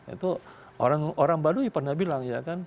itu orang orang baru pernah bilang ya kan